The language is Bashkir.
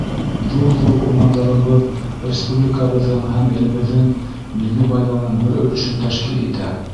Ҙур-ҙур урмандарыбыҙ республикабыҙҙың һәм илебеҙҙең милли байлығының бер өлөшөн тәшкил итә.